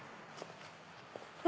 何？